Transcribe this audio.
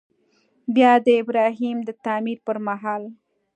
بیا د ابراهیم د تعمیر پر مهال.